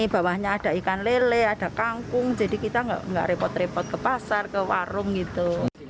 bawahnya ada ikan lele ada kangkung jadi kita nggak repot repot ke pasar ke warung gitu